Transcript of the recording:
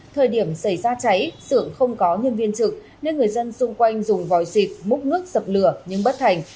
thời điểm xảy ra cháy xưởng không có nhân viên trực nên người dân xung quanh dùng vòi xịt múc nước dập lửa nhưng bất thành